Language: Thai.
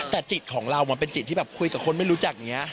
แต่จิตของเรามันเป็นจิตที่แบบคุยกับคนไม่รู้จักอย่างนี้